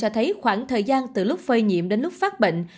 cho thấy khoảng thời gian từ lúc phơi nhiễm đến lúc phát bệnh